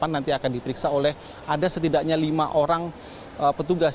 nanti akan diperiksa oleh ada setidaknya lima orang petugas